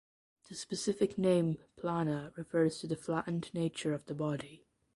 The specific name "plana" refers to the flattened nature of the body.